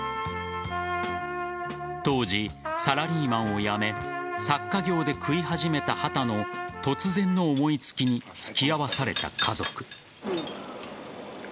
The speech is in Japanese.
当時、サラリーマンを辞め作家業で食い始めた畑の突然の思いつきに付き合わされた家族。